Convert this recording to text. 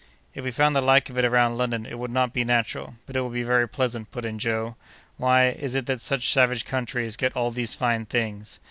"If we found the like of it around London it would not be natural, but it would be very pleasant," put in Joe. "Why is it that such savage countries get all these fine things?"